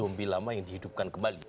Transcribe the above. bombi lama yang dihidupkan kembali